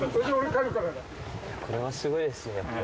これはすごいですね。